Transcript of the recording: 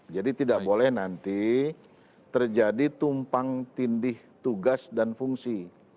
jadi tidak boleh nanti terjadi tumpang tindih tugas dan fungsi